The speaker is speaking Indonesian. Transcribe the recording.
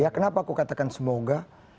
kenapa aku katakan semoga